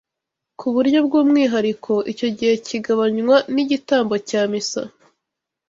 ku buryo bw’umwihariko icyo gihe kigabanywa n’igitambo cya misa